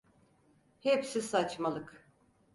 Hepsi saçmalık.